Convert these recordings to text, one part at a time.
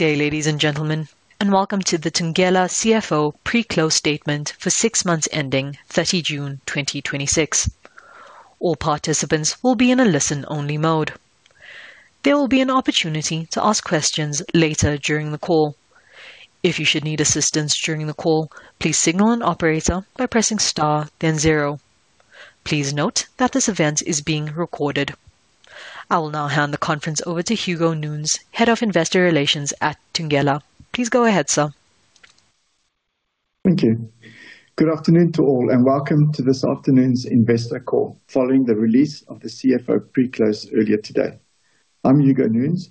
Good day, ladies and gentlemen, and welcome to the Thungela CFO pre-close statement for six months ending 30 June 2026. All participants will be in a listen-only mode. There will be an opportunity to ask questions later during the call. If you should need assistance during the call, please signal an operator by pressing star zero. Please note that this event is being recorded. I will now hand the conference over to Hugo Nunes, Head of Investor Relations at Thungela. Please go ahead, sir. Thank you. Good afternoon to all and welcome to this afternoon's investor call following the release of the CFO pre-close earlier today. I'm Hugo Nunes,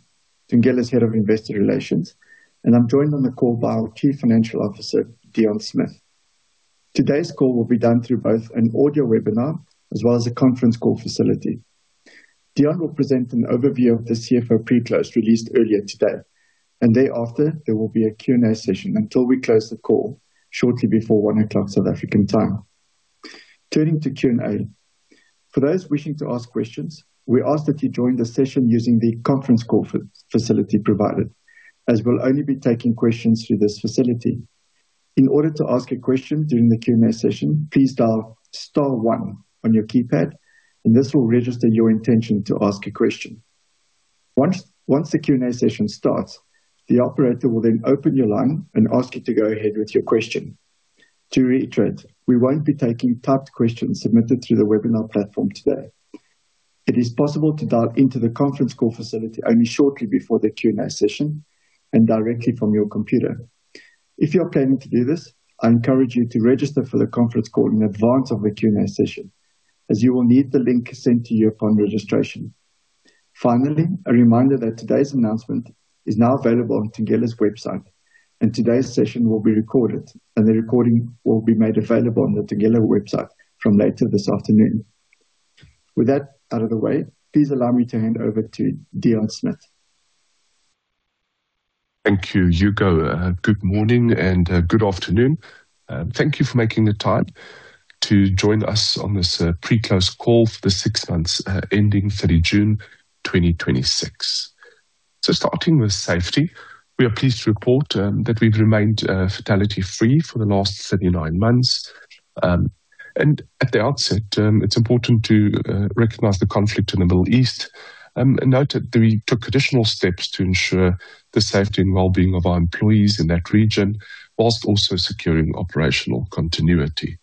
Thungela's Head of Investor Relations, and I'm joined on the call by our Chief Financial Officer, Deon Smith. Today's call will be done through both an audio webinar as well as a conference call facility. Deon will present an overview of the CFO pre-close released earlier today, and thereafter there will be a Q&A session until we close the call shortly before 1:00 P.M. South African time. Turning to Q&A. For those wishing to ask questions, we ask that you join the session using the conference call facility provided, as we'll only be taking questions through this facility. In order to ask a question during the Q&A session, please dial star one on your keypad and this will register your intention to ask a question. Once the Q&A session starts, the operator will then open your line and ask you to go ahead with your question. To reiterate, we won't be taking typed questions submitted through the webinar platform today. It is possible to dial into the conference call facility only shortly before the Q&A session and directly from your computer. If you are planning to do this, I encourage you to register for the conference call in advance of the Q&A session, as you will need the link sent to you upon registration. Finally, a reminder that today's announcement is now available on Thungela's website, and today's session will be recorded. The recording will be made available on the Thungela website from later this afternoon. With that out of the way, please allow me to hand over to Deon Smith. Thank you, Hugo. Good morning and good afternoon. Thank you for making the time to join us on this pre-close call for the six months ending 30 June 2026. Starting with safety. We are pleased to report that we've remained fatality-free for the last 39 months. At the outset, it's important to recognize the conflict in the Middle East, and note that we took additional steps to ensure the safety and well-being of our employees in that region, whilst also securing operational continuity.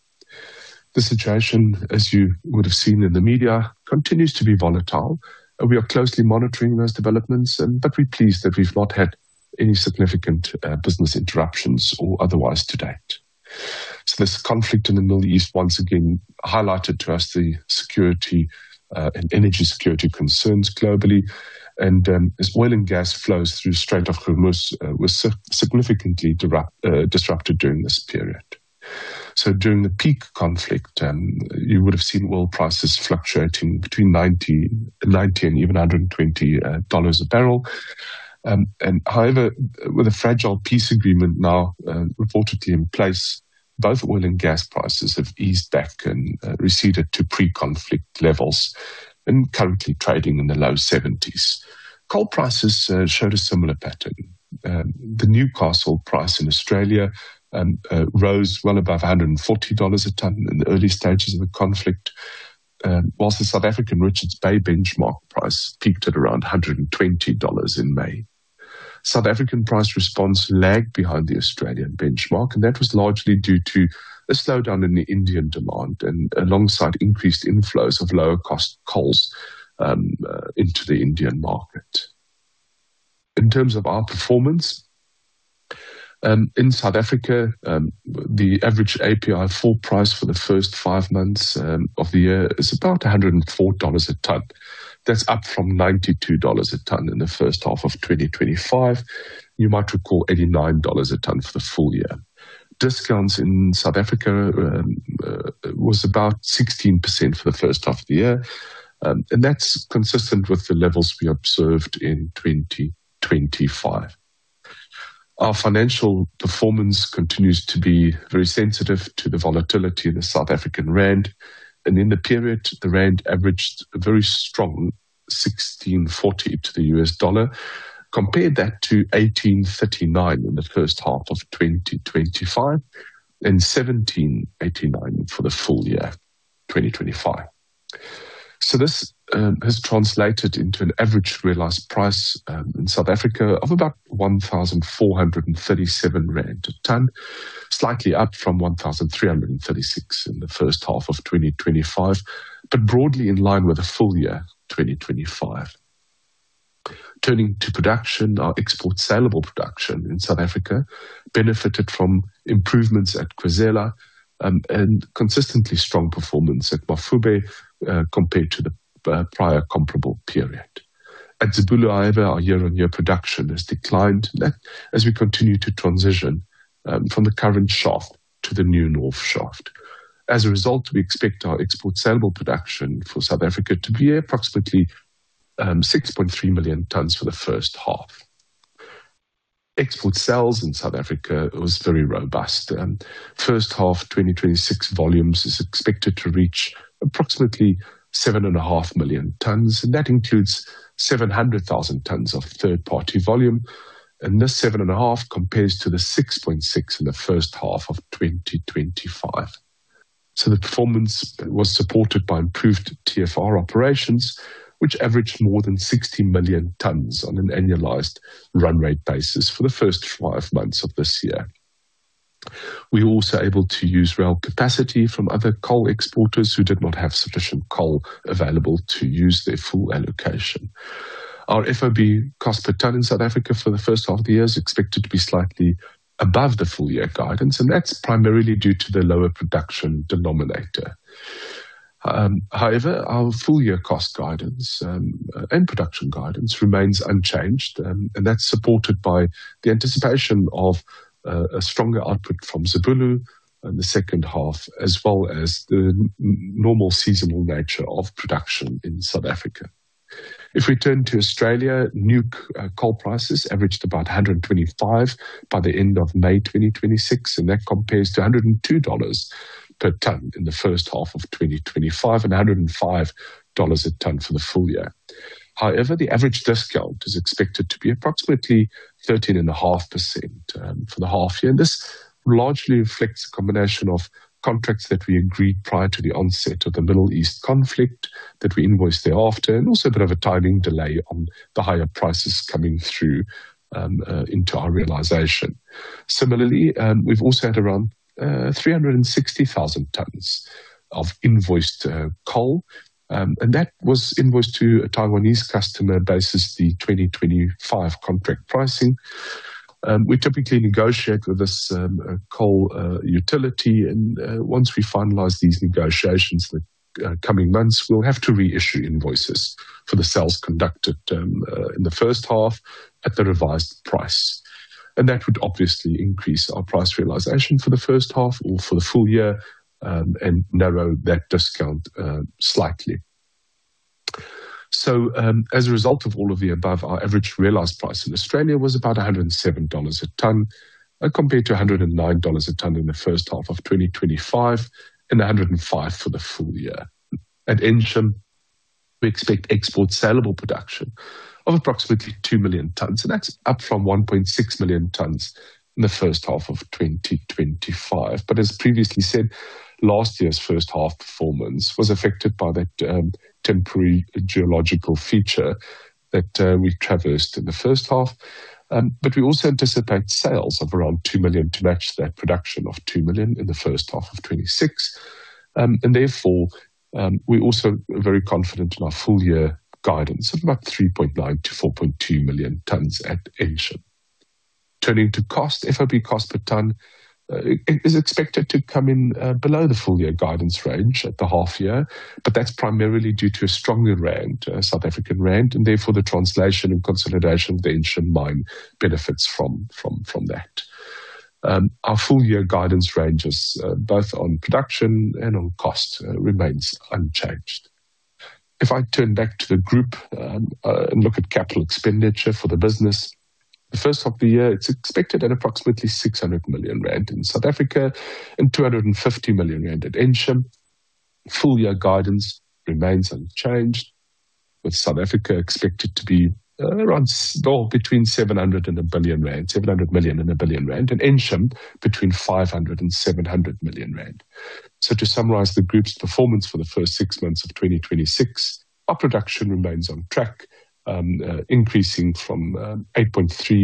The situation, as you would have seen in the media, continues to be volatile. We are closely monitoring those developments, but we're pleased that we've not had any significant business interruptions or otherwise to date. This conflict in the Middle East once again highlighted to us the security and energy security concerns globally, and as oil and gas flows through Strait of Hormuz was significantly disrupted during this period. During the peak conflict, you would have seen oil prices fluctuating between $90 and even $120 a barrel. However, with a fragile peace agreement now reportedly in place, both oil and gas prices have eased back and receded to pre-conflict levels and currently trading in the low $70s. Coal prices showed a similar pattern. The Newcastle price in Australia rose well above $140 a ton in the early stages of the conflict, whilst the South African Richards Bay benchmark price peaked at around $120 in May. South African price response lagged behind the Australian benchmark, and that was largely due to a slowdown in the Indian demand and alongside increased inflows of lower cost coals into the Indian market. In terms of our performance. In South Africa, the average API 4 price for the first five months of the year is about $104 a ton. That is up from $92 a ton in the first half of 2025. You might recall $89 a ton for the full year. Discounts in South Africa was about 16% for the first half of the year. And that is consistent with the levels we observed in 2025. Our financial performance continues to be very sensitive to the volatility of the South African rand, and in the period, the rand averaged a very strong 16.40 to the US dollar. Compare that to 18.39 in the first half of 2025 and 17.89 for the full year 2025. This has translated into an average realized price in South Africa of about 1,437 rand a ton, slightly up from 1,336 in the first half of 2025, but broadly in line with the full year 2025. Turning to production. Our export saleable production in South Africa benefited from improvements at Khwezela and consistently strong performance at Mafube compared to the prior comparable period. At Zibulo, however, our year-on-year production has declined as we continue to transition from the current shaft to the new north shaft. As a result, we expect our export saleable production for South Africa to be approximately 6.3 million tons for the first half. Export sales in South Africa was very robust. First half 2026 volumes is expected to reach approximately 7.5 million tons, and that includes 700,000 tons of third-party volume. And this 7.5 compares to the 6.6 in the first half of 2025. The performance was supported by improved TFR operations, which averaged more than 60 million tons on an annualized run rate basis for the first five months of this year. We were also able to use rail capacity from other coal exporters who did not have sufficient coal available to use their full allocation. Our FOB cost per ton in South Africa for the first half of the year is expected to be slightly above the full year guidance, and that is primarily due to the lower production denominator. Our full year cost guidance and production guidance remains unchanged, and that is supported by the anticipation of a stronger output from Zibulo in the second half, as well as the normal seasonal nature of production in South Africa. If we turn to Australia, Newcastle coal prices averaged about $125 by the end of May 2026, and that compares to $102 per ton in the first half of 2025 and $105 a ton for the full year. The average discount is expected to be approximately 13.5% for the half year, and this largely reflects a combination of contracts that we agreed prior to the onset of the Middle East conflict that we invoiced thereafter, and also a bit of a timing delay on the higher prices coming through into our realization. Similarly, we have also had around 360,000 tons of invoiced coal, and that was invoiced to a Taiwanese customer basis, the 2025 contract pricing. We typically negotiate with this coal utility, and once we finalize these negotiations in the coming months, we will have to reissue invoices for the sales conducted in the first half at the revised price. That would obviously increase our price realization for the first half or for the full year and narrow that discount slightly. As a result of all of the above, our average realized price in Australia was about $107 a ton compared to $109 a ton in the first half of 2025 and $105 for the full year. At Ensham, we expect export saleable production of approximately 2 million tons, and that is up from 1.6 million tons in the first half of 2025. As previously said, last year's first half performance was affected by that temporary geological feature that we traversed in the first half. We also anticipate sales of around 2 million to match that production of 2 million in the first half of 2026. Therefore, we are also very confident in our full year guidance of about 3.9 million-4.2 million tons at Ensham. Turning to cost, FOB cost per ton is expected to come in below the full year guidance range at the half year, but that is primarily due to a stronger rand, South African rand, and therefore the translation and consolidation of the Ensham mine benefits from that. Our full year guidance ranges both on production and on cost remains unchanged. If I turn back to the group and look at capital expenditure for the business, the first half of the year, it is expected at approximately 600 million rand in South Africa and 250 million rand at Ensham. Full year guidance remains unchanged, with South Africa expected to be around between 700 million and 1 billion rand, 700 million and ZAR 1 billion, and Ensham between 500 million rand and 700 million rand. To summarize the group's performance for the first six months of 2026, our production remains on track, increasing to 8.3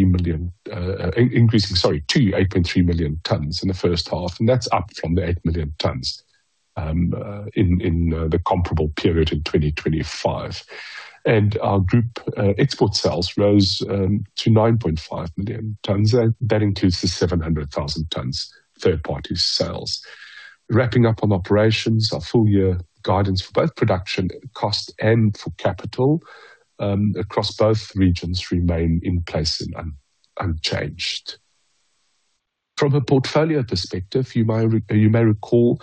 million tons in the first half, and that is up from the 8 million tons in the comparable period in 2025. Our group export sales rose to 9.5 million tons. That includes the 700,000 tons third-party sales. Wrapping up on operations, our full year guidance for both production cost and for capital, across both regions remain in place and unchanged. From a portfolio perspective, you may recall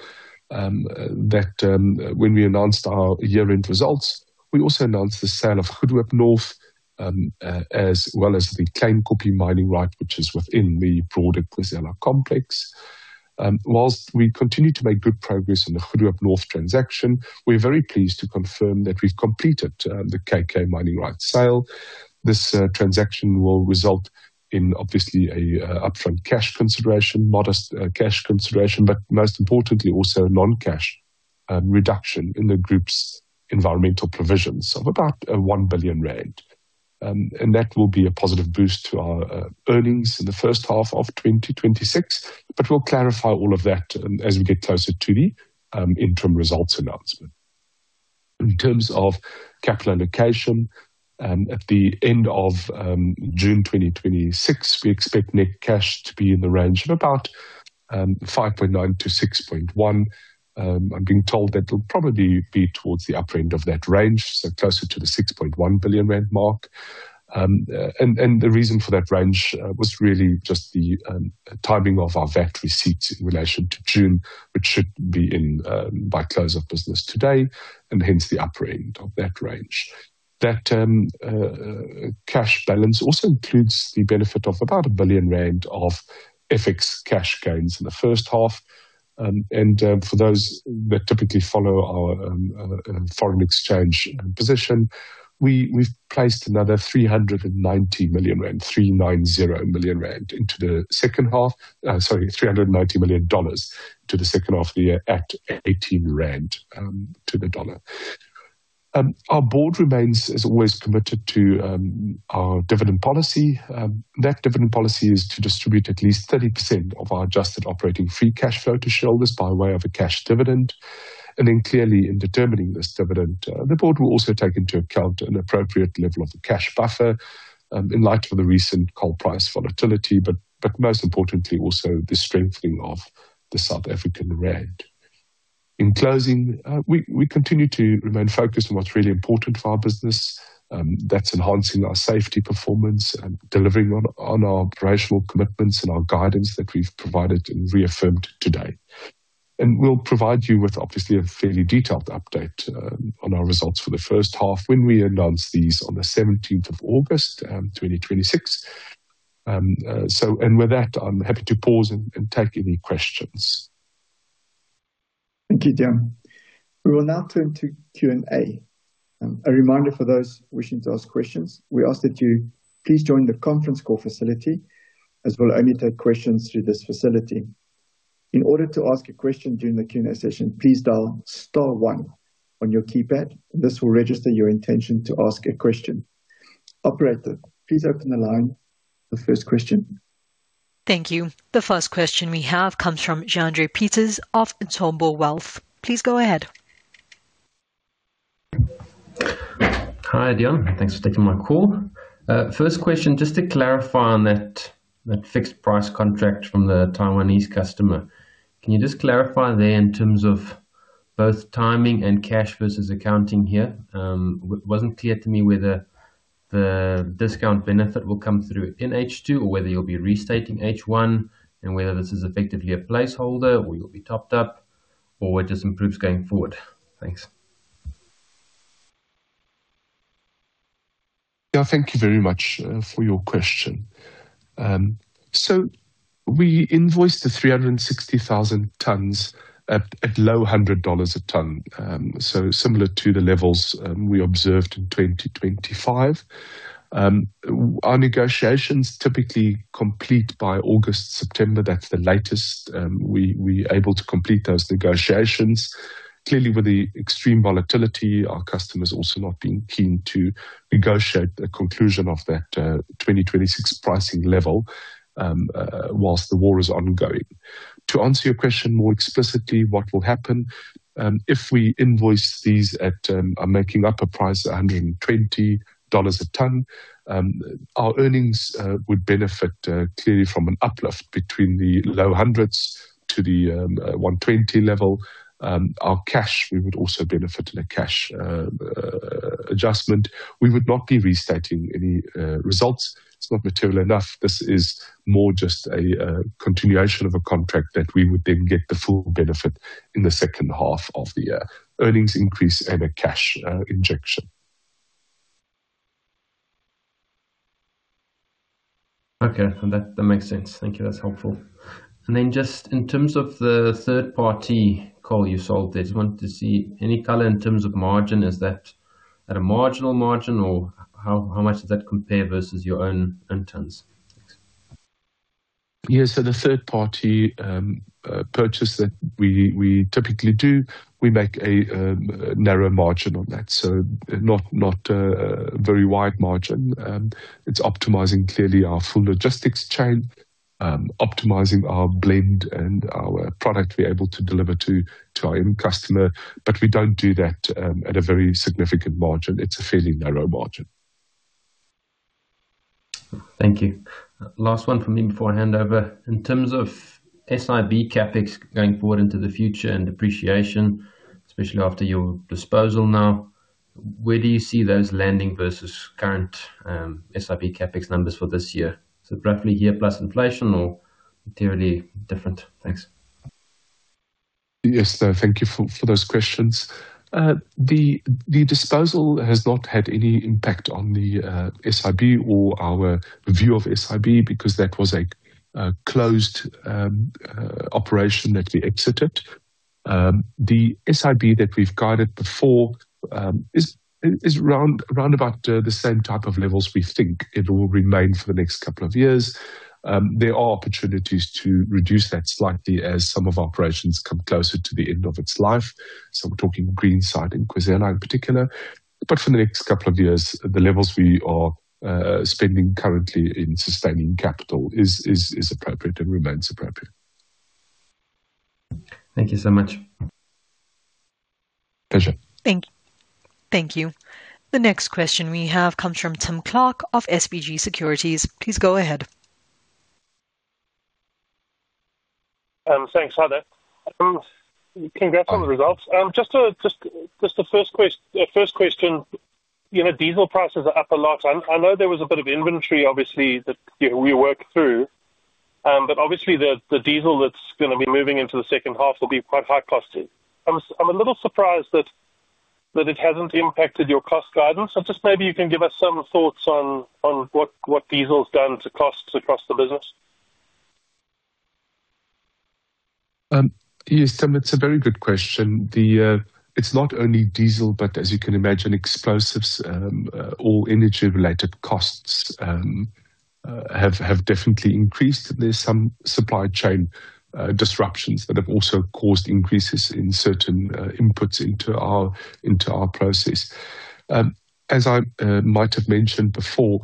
that when we announced our year-end results, we also announced the sale of Goedehoop North, as well as the Kleinkopje mining right, which is within the broader Khwezela complex. Whilst we continue to make good progress in the Goedehoop North transaction, we are very pleased to confirm that we've completed the Kleinkopje mining rights sale. This transaction will result in obviously a upfront cash consideration, modest cash consideration, but most importantly also a non-cash reduction in the group's environmental provisions of about 1 billion rand. That will be a positive boost to our earnings in the first half of 2026. We'll clarify all of that as we get closer to the interim results announcement. In terms of capital allocation, at the end of June 2026, we expect net cash to be in the range of about 5.9 billion to 6.1 billion. I'm being told that it'll probably be towards the upper end of that range, so closer to the 6.1 billion rand mark. The reason for that range was really just the timing of our VAT receipts in relation to June, which should be in by close of business today, and hence the upper end of that range. That cash balance also includes the benefit of about 1 billion rand of FX cash gains in the first half. For those that typically follow our foreign exchange position, we've placed another 390 million rand, 390 million rand into the second half. Sorry, $390 million to the second half of the year at 18 rand to the dollar. Our board remains, as always, committed to our dividend policy. That dividend policy is to distribute at least 30% of our adjusted operating free cash flow to shareholders by way of a cash dividend. Clearly in determining this dividend, the board will also take into account an appropriate level of the cash buffer in light of the recent coal price volatility, but most importantly, also the strengthening of the South African rand. In closing, we continue to remain focused on what's really important for our business. That's enhancing our safety performance and delivering on our operational commitments and our guidance that we've provided and reaffirmed today. We'll provide you with obviously a fairly detailed update on our results for the first half when we announce these on the 17th of August 2026. With that, I'm happy to pause and take any questions. Thank you, Deon. We will now turn to Q&A. A reminder for those wishing to ask questions, we ask that you please join the conference call facility, as we'll only take questions through this facility. In order to ask a question during the Q&A session, please dial star one on your keypad. This will register your intention to ask a question. Operator, please open the line for the first question. Thank you. The first question we have comes from Jandre Pieterse of Umthombo Wealth. Please go ahead. Hi, Deon. Thanks for taking my call. First question, just to clarify on that fixed price contract from the Taiwanese customer. Can you just clarify there in terms of both timing and cash versus accounting here? It wasn't clear to me whether the discount benefit will come through in H2 or whether you'll be restating H1, and whether this is effectively a placeholder or you'll be topped up, or it just improves going forward. Thanks. Yeah, thank you very much for your question. We invoiced the 360,000 tons at low $100 a ton. Similar to the levels we observed in 2025. Our negotiations typically complete by August, September, that's the latest we're able to complete those negotiations. Clearly, with the extreme volatility, our customers also not being keen to negotiate a conclusion of that 2026 pricing level whilst the war is ongoing. To answer your question more explicitly, what will happen, if we invoice these at, I'm making up a price, $120 a ton, our earnings would benefit clearly from an uplift between the low hundreds to the 120 level. Our cash, we would also benefit in a cash adjustment. We would not be restating any results. It's not material enough. This is more just a continuation of a contract that we would then get the full benefit in the second half of the year, earnings increase and a cash injection. Okay. That makes sense. Thank you. That's helpful. Just in terms of the third-party coal you sold there, wanted to see any color in terms of margin. Is that at a marginal margin or how much does that compare versus your own tons? Thanks. Yeah. The third-party purchase that we typically do, we make a narrow margin on that. Not a very wide margin. It's optimizing clearly our full logistics chain, optimizing our blend and our product we're able to deliver to our end customer. We don't do that at a very significant margin. It's a fairly narrow margin. Thank you. Last one from me before I hand over. In terms of SIB CapEx going forward into the future and depreciation, especially after your disposal now, where do you see those landing versus current SIB CapEx numbers for this year? Is it roughly year plus inflation or materially different? Thanks. Yes. Thank you for those questions. The disposal has not had any impact on the SIB or our view of SIB, because that was a closed operation that we exited. The SIB that we've guided before is around about the same type of levels we think it will remain for the next couple of years. There are opportunities to reduce that slightly as some of our operations come closer to the end of its life. We're talking Greenside and Khwezela in particular. For the next couple of years, the levels we are spending currently in sustaining capital is appropriate and remains appropriate. Thank you so much. Pleasure. Thank you. The next question we have comes from Tim Clark of SBG Securities. Please go ahead. Thanks. Hi there. Congrats on the results. Just the first question. Diesel prices are up a lot. I know there was a bit of inventory, obviously, that we worked through. Obviously the diesel that's going to be moving into the second half will be quite high costed. I'm a little surprised that it hasn't impacted your cost guidance. Maybe you can give us some thoughts on what diesel's done to costs across the business. Yes, Tim, that's a very good question. It's not only diesel, but as you can imagine, explosives, all energy-related costs have definitely increased. There's some supply chain disruptions that have also caused increases in certain inputs into our process. As I might have mentioned before,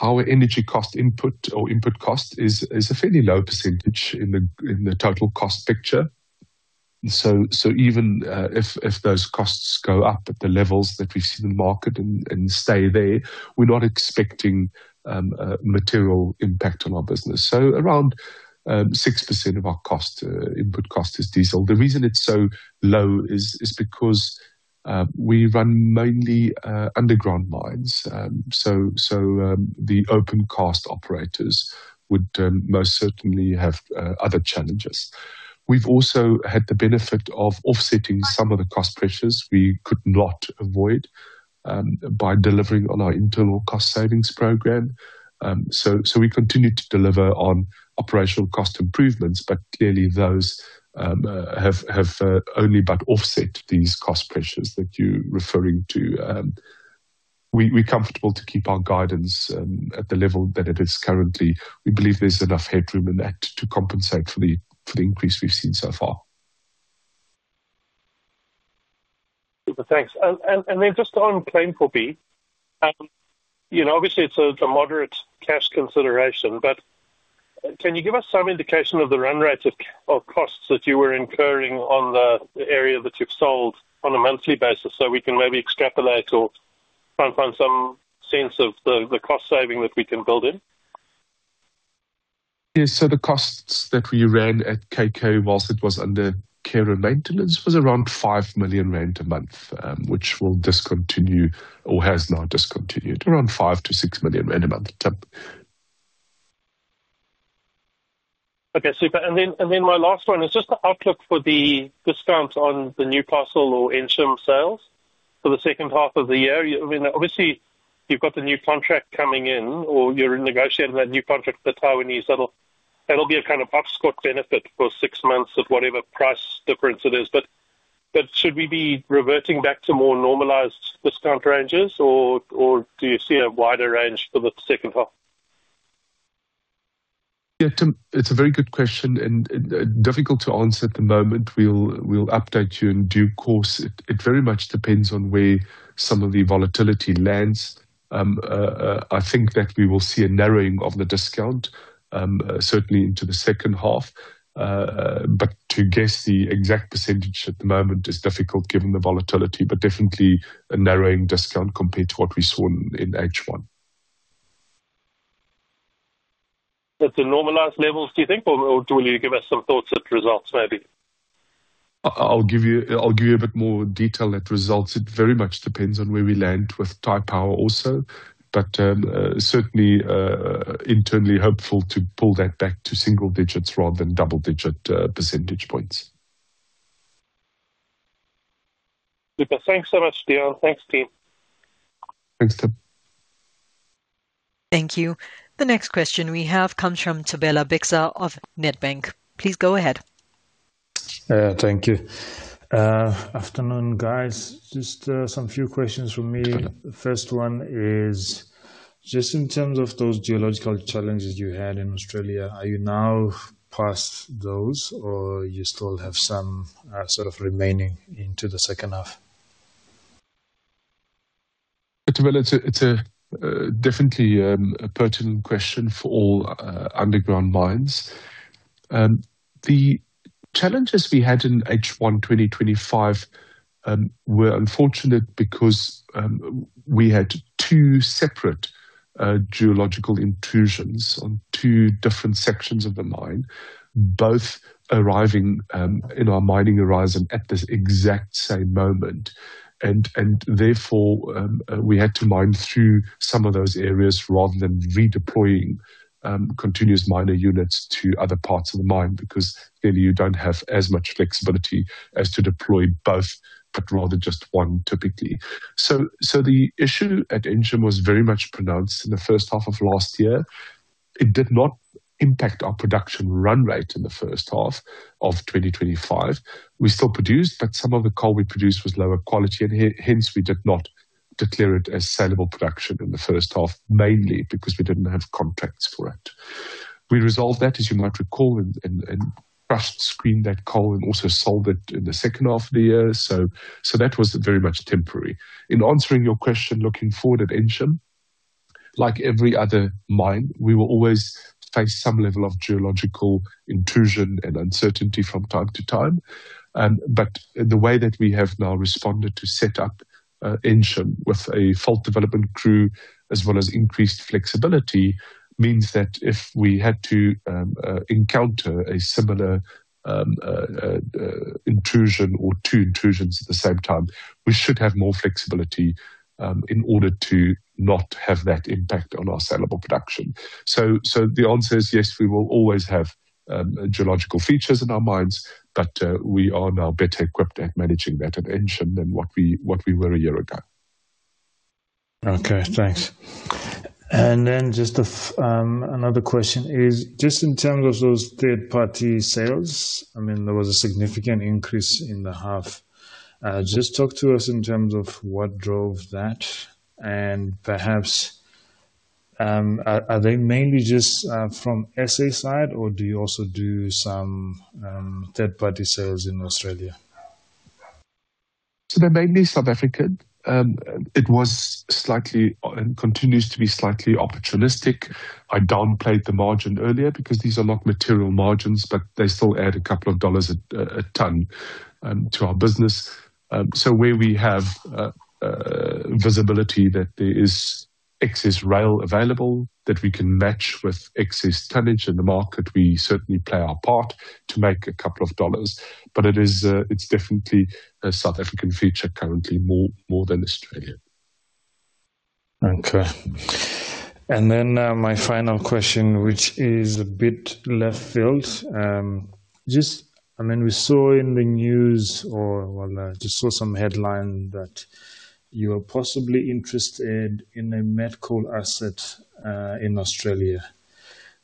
our energy cost input or input cost is a fairly low percentage in the total cost picture. Even if those costs go up at the levels that we see in the market and stay there, we're not expecting material impact on our business. Around 6% of our input cost is diesel. The reason it's so low is because we run mainly underground mines. The open cast operators would most certainly have other challenges. We've also had the benefit of offsetting some of the cost pressures we could not avoid by delivering on our internal cost savings program. We continue to deliver on operational cost improvements, clearly those have only but offset these cost pressures that you're referring to. We're comfortable to keep our guidance at the level that it is currently. We believe there's enough headroom in that to compensate for the increase we've seen so far. Super. Thanks. Just on Kleinkopje. Obviously it's a moderate cash consideration, but can you give us some indication of the run rate of costs that you were incurring on the area that you've sold on a monthly basis so we can maybe extrapolate or try and find some sense of the cost saving that we can build in? The costs that we ran at KK whilst it was under care and maintenance was around 5 million rand a month, which will discontinue or has now discontinued. Around 5 million-6 million rand a month, Tim. Okay, super. My last one is just the outlook for the discounts on the new parcel or Ensham sales for the second half of the year. I mean, obviously you've got the new contract coming in or you're negotiating that new contract with the Taiwanese. That'll be a kind of off-take benefit for six months at whatever price difference it is. Should we be reverting back to more normalized discount ranges or do you see a wider range for the second half? Yeah, Tim, it's a very good question and difficult to answer at the moment. We'll update you in due course. It very much depends on where some of the volatility lands. I think that we will see a narrowing of the discount, certainly into the second half. To guess the exact percentage at the moment is difficult given the volatility, but definitely a narrowing discount compared to what we saw in H1. At the normalized levels, do you think, or will you give us some thoughts at results, maybe? I'll give you a bit more detail at results. It very much depends on where we land with Taipower also. Certainly, internally hopeful to pull that back to single digits rather than double-digit percentage points. Super. Thanks so much, Deon. Thanks, team. Thanks, Tim. Thank you. The next question we have comes from Thobela Bixa of Nedbank. Please go ahead. Thank you. Afternoon, guys. Just some few questions from me. The first one is just in terms of those geological challenges you had in Australia, are you now past those or you still have some sort of remaining into the second half? Thobela, it's definitely a pertinent question for all underground mines. The challenges we had in H1 2025 were unfortunate because we had two separate geological intrusions on two different sections of the mine, both arriving in our mining horizon at this exact same moment. Therefore, we had to mine through some of those areas rather than redeploying continuous miner units to other parts of the mine, because then you don't have as much flexibility as to deploy both, but rather just one, typically. The issue at Ensham was very much pronounced in the first half of last year. It did not impact our production run rate in the first half of 2025. We still produced, but some of the coal we produced was lower quality, and hence we did not declare it as sellable production in the first half, mainly because we didn't have contracts for it. We resolved that, as you might recall, and crushed screen that coal and also sold it in the second half of the year. That was very much temporary. In answering your question looking forward at Ensham, like every other mine, we will always face some level of geological intrusion and uncertainty from time to time. The way that we have now responded to set up Ensham with a fault development crew as well as increased flexibility means that if we had to encounter a similar intrusion or two intrusions at the same time. We should have more flexibility in order to not have that impact on our sellable production. The answer is yes, we will always have geological features in our minds, but we are now better equipped at managing that at Ensham than what we were a year ago. Okay, thanks. Then just another question is just in terms of those third-party sales, there was a significant increase in the half. Just talk to us in terms of what drove that and perhaps, are they mainly just from SA side or do you also do some third-party sales in Australia? They're mainly South African. It was slightly and continues to be slightly opportunistic. I downplayed the margin earlier because these are not material margins, but they still add a couple of ZAR a ton to our business. Where we have visibility that there is excess rail available that we can match with excess tonnage in the market, we certainly play our part to make a couple of ZAR. It's definitely a South African feature currently more than Australia. My final question, which is a bit left field. We saw in the news or just saw some headline that you are possibly interested in a met coal asset in Australia.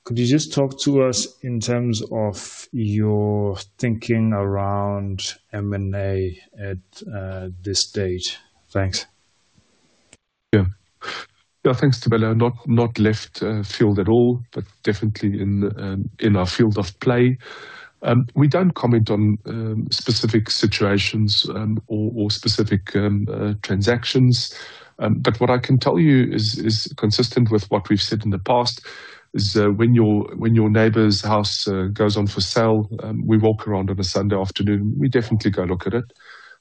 Could you just talk to us in terms of your thinking around M&A at this stage? Thanks. Yeah. Thanks, Thobela. Not left field at all, definitely in our field of play. We don't comment on specific situations or specific transactions. What I can tell you is consistent with what we've said in the past is when your neighbor's house goes on for sale, we walk around on a Sunday afternoon, we definitely go look at it.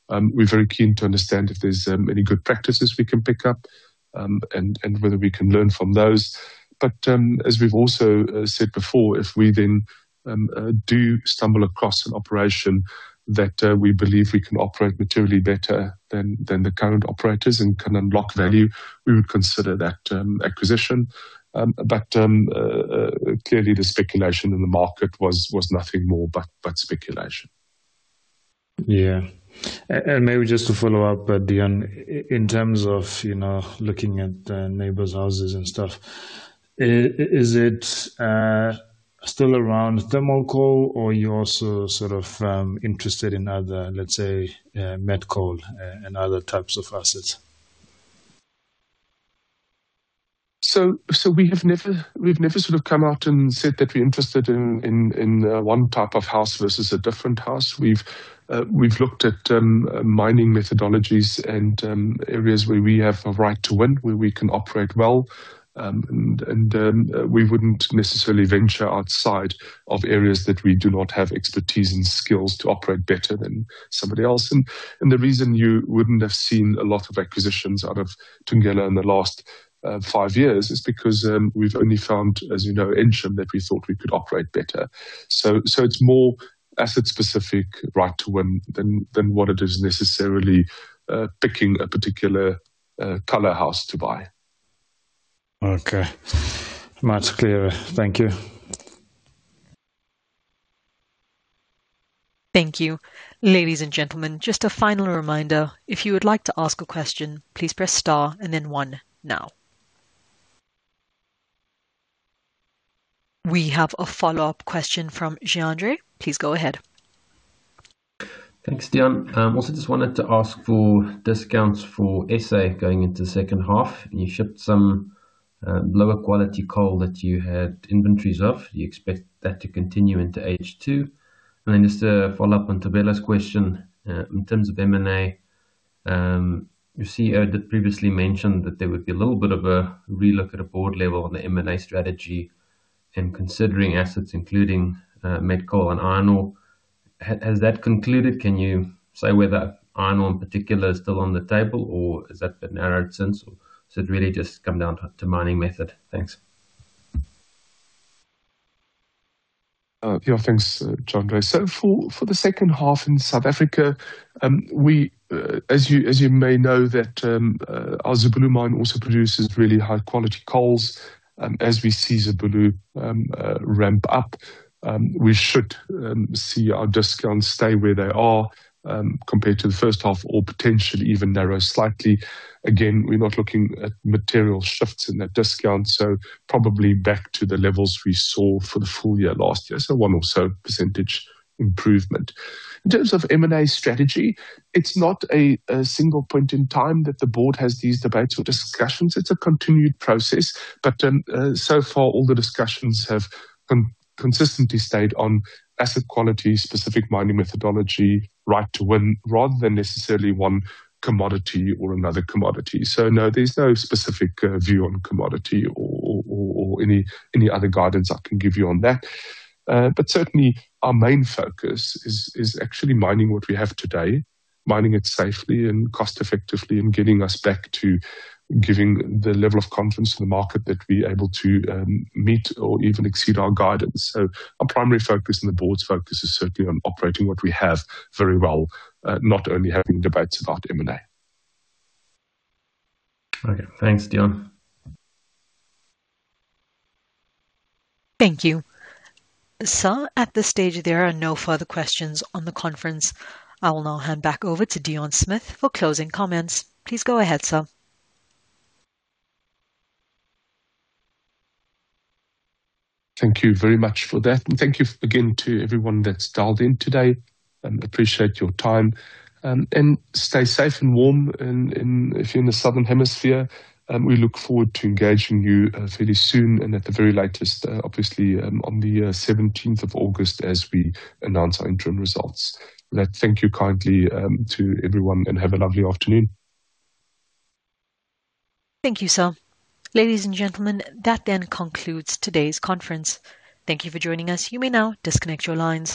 We're very keen to understand if there's any good practices we can pick up, and whether we can learn from those. As we've also said before, if we then do stumble across an operation that we believe we can operate materially better than the current operators and can unlock value, we would consider that acquisition. Clearly the speculation in the market was nothing more but speculation. Yeah. Maybe just to follow up, Deon, in terms of looking at neighbors' houses and stuff. Is it still around thermal coal or you're also sort of interested in other, let's say, met coal and other types of assets? We've never sort of come out and said that we're interested in one type of house versus a different house. We've looked at mining methodologies and areas where we have a right to win, where we can operate well. We wouldn't necessarily venture outside of areas that we do not have expertise and skills to operate better than somebody else. The reason you wouldn't have seen a lot of acquisitions out of Thungela in the last five years is because we've only found, as you know, Ensham that we thought we could operate better. It's more asset-specific right to win than what it is necessarily picking a particular color house to buy. Okay. Much clearer. Thank you. Thank you. Ladies and gentlemen, just a final reminder, if you would like to ask a question, please press star and then one now. We have a follow-up question from Jandre. Please go ahead. Thanks, Deon. Just wanted to ask for discounts for SA going into second half, and you shipped some lower quality coal that you had inventories of. Do you expect that to continue into H2? Then just to follow up on Thobela's question, in terms of M&A, your CEO had previously mentioned that there would be a little bit of a relook at a board level on the M&A strategy and considering assets including met coal and iron ore. Has that concluded? Can you say whether iron ore in particular is still on the table or has that been narrowed since? Has it really just come down to mining method? Thanks. Yeah, thanks, Jandre. For the second half in South Africa, as you may know that our Zibulo mine also produces really high-quality coals. As we see Zibulo ramp up, we should see our discounts stay where they are, compared to the first half or potentially even narrow slightly. Again, we're not looking at material shifts in that discount, probably back to the levels we saw for the full year last year. One or so % improvement. In terms of M&A strategy, it's not a single point in time that the board has these debates or discussions. It's a continued process. So far all the discussions have consistently stayed on asset quality, specific mining methodology, right to win rather than necessarily one commodity or another commodity. No, there's no specific view on commodity or any other guidance I can give you on that. Certainly, our main focus is actually mining what we have today, mining it safely and cost effectively, and getting us back to giving the level of confidence to the market that we're able to meet or even exceed our guidance. Our primary focus and the board's focus is certainly on operating what we have very well, not only having debates about M&A. Okay. Thanks, Deon. Thank you. Sir, at this stage, there are no further questions on the conference. I will now hand back over to Deon Smith for closing comments. Please go ahead, sir. Thank you very much for that. Thank you again to everyone that's dialed in today. Appreciate your time. Stay safe and warm if you're in the Southern Hemisphere. We look forward to engaging you fairly soon and at the very latest, obviously, on the 17th of August as we announce our interim results. With that, thank you kindly to everyone and have a lovely afternoon. Thank you, sir. Ladies and gentlemen, that then concludes today's conference. Thank you for joining us. You may now disconnect your lines.